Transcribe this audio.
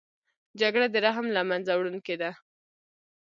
جګړه د رحم له منځه وړونکې ده